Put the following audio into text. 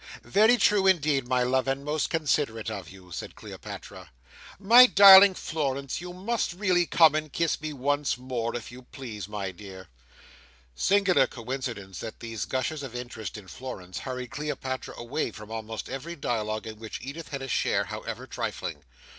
"Very true indeed, my love, and most considerate of you!" said Cleopatra. "My darling Florence, you must really come and kiss me once more, if you please, my dear!" Singular coincidence, that these gushes of interest in Florence hurried Cleopatra away from almost every dialogue in which Edith had a share, however trifling!